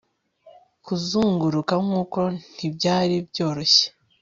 kuzunguruka nk'ukwo ntibyari byoroshye